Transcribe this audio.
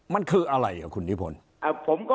มันคืออะไรคุณนิพนธ์